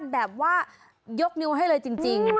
แบบว่ายกนิ้วให้เลยจริง